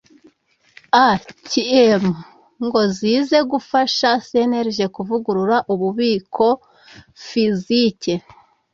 A kimwe km ngo zize gufasha cnlg kuvugurura ububiko fizike